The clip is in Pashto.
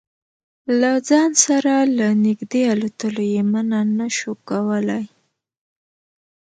له ځان سره له نږدې الوتلو یې منع نه شو کولای.